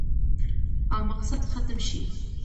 او مقصد ختم شي